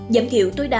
giảm thiệu tối đa